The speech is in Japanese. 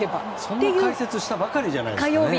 そんな解説したばかりじゃないですか。